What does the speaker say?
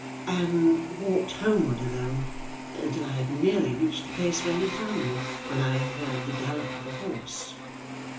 'And walked homeward alone, until I had nearly reached the place where you found me, when I heard the gallop of a horse.